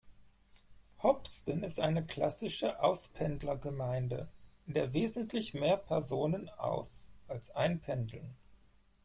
Hopsten ist eine klassische Auspendlergemeinde, in der wesentlich mehr Personen Aus- als Einpendeln.